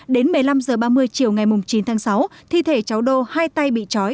đến một mươi năm h ba mươi chiều ngày chín tháng sáu thi thể cháu đô hai tay bị trói